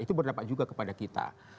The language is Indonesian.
itu berdampak juga kepada kita